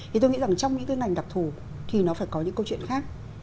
thì tôi nghĩ rằng trong những tương ảnh đặc thù thì nó phải có những câu chuyện khác